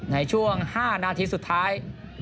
ในช่วง๕นาทีสุดท้าย